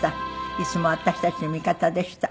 いつも私たちの味方でした。